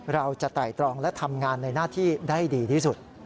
เราจะไตรตรองและทำงานในหน้าที่ได้ดีที่สุด